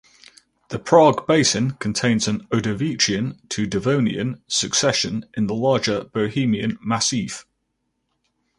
The Prague Basin contains an Ordovician to Devonian succession in the larger Bohemian Massif.